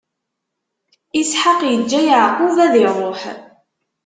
Isḥaq iǧǧa Yeɛqub ad iṛuḥ.